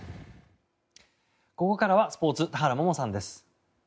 ここからはスポーツ田原萌々さんです。